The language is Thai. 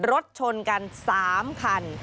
รถชนกัน๓คัน